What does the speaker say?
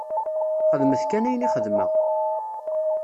Xedmet kan ayen i xedmeɣ!